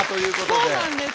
そうなんです。